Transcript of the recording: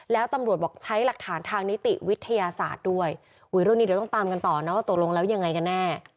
แล้วตำรวจบอกใช้หลักฐานทางนิติวิทยาศาสตร์ด้วยอุ้ยเรื่องนี้เดี๋ยวต้องตามกันต่อนะว่าตกลงแล้วยังไงกันแน่